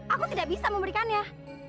aku tidak bisa memberikannya